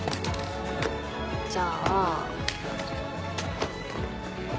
じゃあ。